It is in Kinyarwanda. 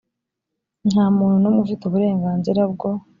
nta muntu n umwe ufite uburenganzira bwo